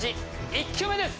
１球目です！